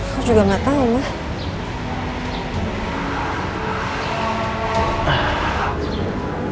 kok juga nggak tahu mah